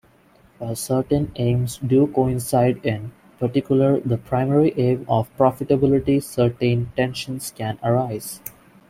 While certain aims do coincide-in particular the primary aim of profitability-certain tensions can arise.